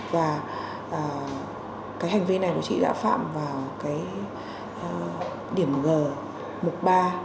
và cái hành vi này của chị đã phạm vào cái điểm g mục ba